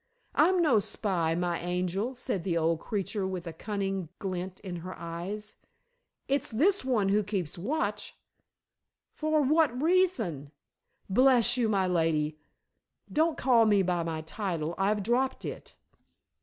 "I'm no spy, my angel," said the old creature with a cunning glint in her eyes. "It's this one who keeps watch." "For what reason?" "Bless you, my lady " "Don't call me by my title. I've dropped it."